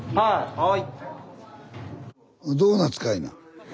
はい。